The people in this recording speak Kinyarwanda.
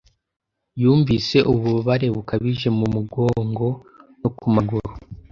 Yumvise ububabare bukabije mu mugongo no ku maguru.